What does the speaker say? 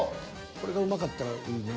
これがうまかったらいいね。